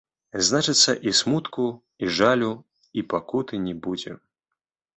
Значыцца, і смутку, і жалю, і пакуты не будзе.